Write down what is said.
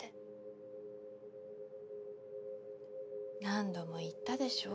何度も言ったでしょ。